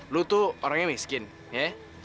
lu tuh orangnya miskin ya